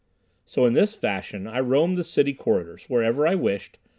So in this fashion I roamed the city corridors, wherever I wished.